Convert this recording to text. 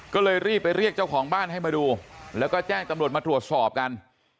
ก็เลยรีบไปเรียกเจ้าของบ้านให้มาดูแล้วก็แจ้งตำรวจมาตรวจสอบกัน